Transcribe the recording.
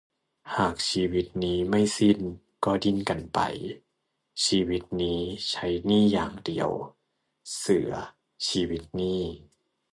หากชีวิตนี้ไม่สิ้น ก็ดิ้นกันไป ชีวิตนี้ใช้หนี้อย่างเดียว เสือ - ชีวิตหนี้